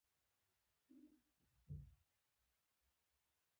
زما په رنګ نور کسان هم مخابرې په لاسو کښې لر بر کېدل.